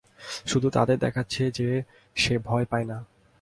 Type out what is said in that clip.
শুধু তাদের দেখাচ্ছে যে সে ভয় পায় না।